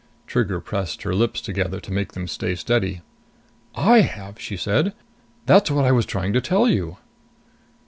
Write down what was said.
Trigger pressed her lips together to make them stay steady. "I have," she said. "That's what I was trying to tell you."